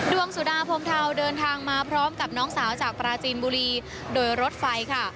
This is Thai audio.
สุดาพรมเทาเดินทางมาพร้อมกับน้องสาวจากปราจีนบุรีโดยรถไฟค่ะ